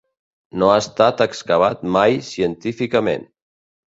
No ha estat excavat mai científicament.